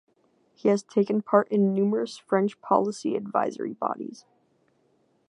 He has taken part in numerous French policy advisory bodies.